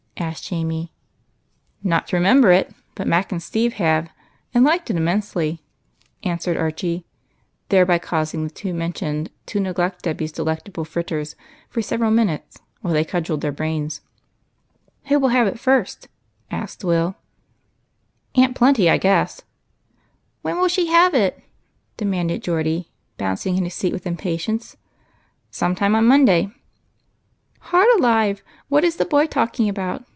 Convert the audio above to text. " asked Jamie. "Not to remember it; but Mac and Steve have, and liked it immensely," answered Archie, thereby causing the two mentioned to neglect Debby's delect able fritters for several minutes, while they cudgelled their brains. "Who will have it first?" asked Will, with his mouth full of marmalade. " Aunt Plenty, I guess." "When will she have it?" demanded Geordie, bouncing in his seat with impatience. " Sometime on Monday." " Heart alive ! what is the boy talking about